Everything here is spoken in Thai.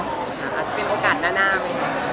อาจจะเป็นโอกาสหน้าไหมคะ